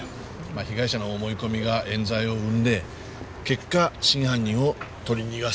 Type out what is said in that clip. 被害者の思い込みが冤罪を生んで結果真犯人を取り逃がす。